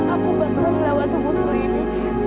aku bakal melawat tubuhmu ini